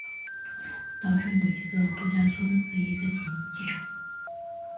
岛上有一个度假村和一个简易机场。